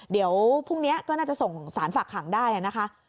เดี๋ยวพรุ่งนี้ก็น่าจะส่งสารฝากขังได้นะคะ